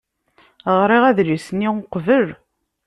Ɣriɣ adlis-nni uqbel.